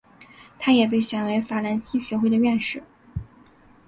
他也被选为法兰西学会的院士。